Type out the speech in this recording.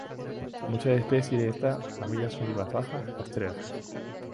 Muchas especies de esta familia son hierbas bajas, rastreras.